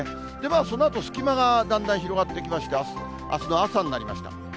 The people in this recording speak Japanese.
そのあと隙間がだんだん広がってきまして、あすの朝になりました。